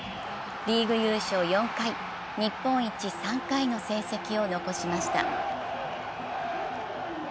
リーグ優勝４回、日本一３回の成績を残しました。